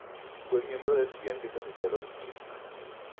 Fue miembro de Estudiantes Asociados, Inc.